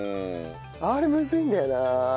あれむずいんだよな。